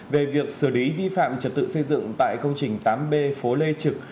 về việc xử lý vi phạm trật tự xây dựng tại công trình tám b phố lê trực